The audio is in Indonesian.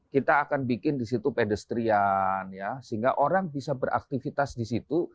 kita akan bikin di situ pedestrian ya sehingga orang bisa beraktivitas di situ